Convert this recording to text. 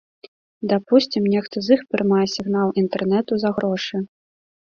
Дапусцім, нехта з іх прымае сігнал інтэрнэту за грошы.